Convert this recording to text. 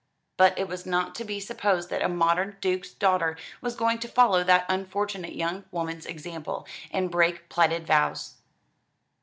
But it was not to be supposed that a modern duke's daughter was going to follow that unfortunate young woman's example, and break plighted vows.